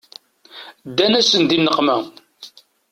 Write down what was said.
Ddan-asen di nneqma.